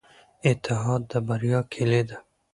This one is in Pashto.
اتحاد د بریا کیلي ده.